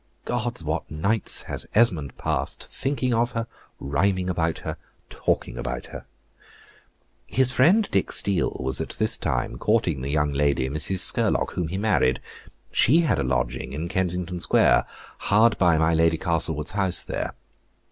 Gods, what nights has Esmond passed, thinking of her, rhyming about her, talking about her! His friend Dick Steele was at this time courting the young lady, Mrs. Scurlock, whom he married; she had a lodging in Kensington Square, hard by my Lady Castlewood's house there.